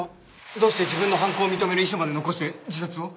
どうして自分の犯行を認める遺書まで残して自殺を？